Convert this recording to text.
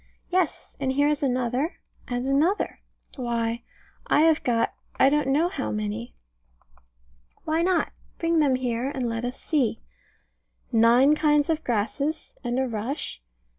Yes and here is another, and another. Why, I have got I don't know how many. Why not? Bring them here, and let us see. Nine kinds of grasses, and a rush.